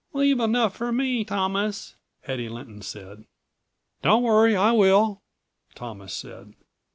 "Leave enough for me, Thomas," Hedy Lynton said. "Don't worry, I will," Thomas said.